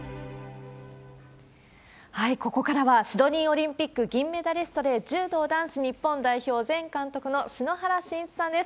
ここからは、シドニーオリンピック銀メダリストで、柔道男子日本代表前監督の、篠原信一さんです。